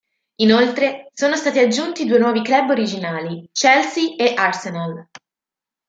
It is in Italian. Inoltre sono state aggiunti due nuovi club originali: Chelsea e Arsenal.